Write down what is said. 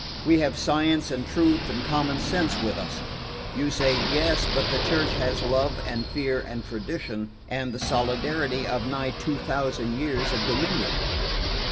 We have science and truth and common sense with us, you say yes, but the Church has love and fear and tradition, and the solidarity of nigh two thousand years of dominion."